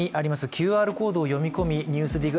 ＱＲコードを読み込み「ＮＥＷＳＤＩＧ」